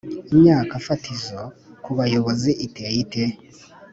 imyaka yifatizo kubayobozi iteye ite?